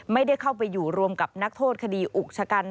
ไม่ได้เข้าไปอยู่รวมกับนักโทษคดีอุกชะกัน